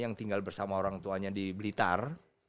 yang tinggal bersama orang tuanya di blitar